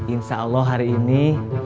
insya allah hari ini